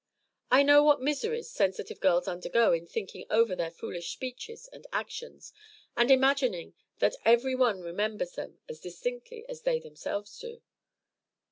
I know what miseries sensitive girls undergo in thinking over their foolish speeches and actions, and imagining that every one remembers them as distinctly as they themselves do."